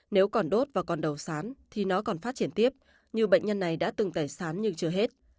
nếu còn đốt vào đầu sán thì nó còn phát triển tiếp như bệnh nhân này đã từng tẩy sán nhưng chưa hết